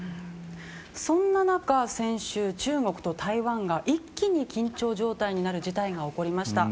そんな中、先週中国と台湾が一気に緊張状態になる事態が起きました。